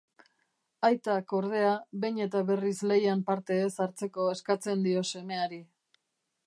Aitak, ordea, behin eta berriz lehian parte ez hartzeko eskatzen dio semeari.